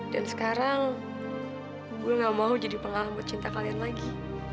sekarang gue gak mau jadi pengalaman buat cinta kalian lagi